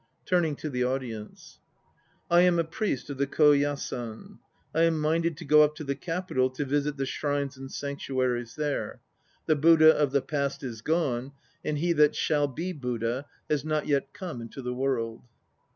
(Turning to the audience.) I am a priest of the Koyasan. I am minded to go up to the Capital to visit the shrines and sanctuaries there. The Buddha of the Past is gone, And he that shall be Buddha has not yet come into the world.